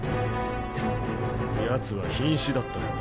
んヤツは瀕死だったはず。